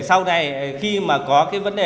để sau này khi mà có cái vấn đề sửa điện